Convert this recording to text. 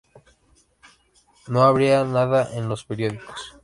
No habría nada en los periódicos".